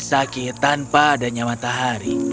sakit tanpa adanya matahari